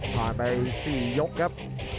ผ่านไปสี่ยกครับ